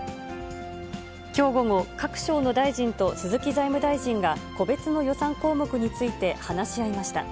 きょう午後、各省の大臣と鈴木財務大臣が個別の予算項目について話し合いました。